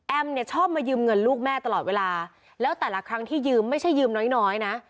เนี่ยชอบมายืมเงินลูกแม่ตลอดเวลาแล้วแต่ละครั้งที่ยืมไม่ใช่ยืมน้อยนะ